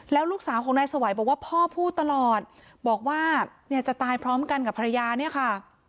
แล้วลูกสาวของนายสวัยบอกว่าพ่อพูดตลอดบอกว่าเนี่ยจะตายพร้อมกันกับภรรยาเนี่ยค่ะ